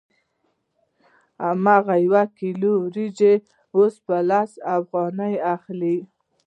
هماغه یو کیلو وریجې اوس په لس افغانۍ اخلو